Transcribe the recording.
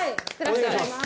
お願いします！